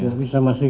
tidak bisa memastikan